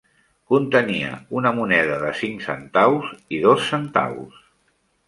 Contenia una moneda de cinc centaus i dos centaus.